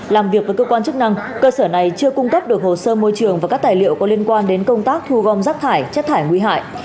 làm việc với cơ quan chức năng cơ sở này chưa cung cấp được hồ sơ môi trường và các tài liệu có liên quan đến công tác thu gom rác thải chất thải nguy hại